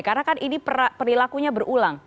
karena kan ini perilakunya berulang